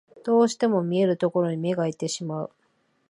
どうしても見えるところに目がいってしまう